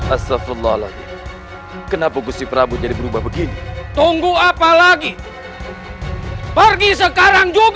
asafullah lagi kenapa gusti prabu jadi berubah begini tunggu apalagi pergi sekarang juga